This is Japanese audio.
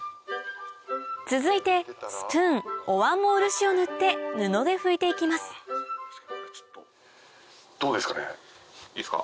続いてスプーンお椀も漆を塗って布で拭いて行きますいいっすか？